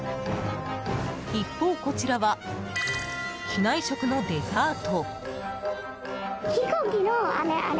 一方、こちらは機内食のデザート。